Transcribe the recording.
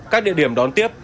các địa điểm đón tiếp